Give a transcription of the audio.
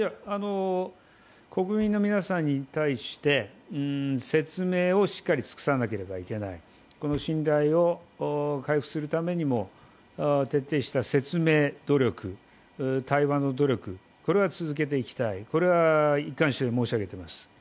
国民の皆さんに対して説明をしっかり尽くさなければいけない、信頼を回復するためにも徹底した説明努力、対話の努力は続けていきたい、これは一貫して申し上げています。